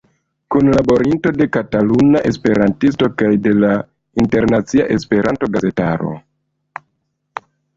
Kunlaborinto de Kataluna Esperantisto kaj de la internacia Esperanto-gazetaro.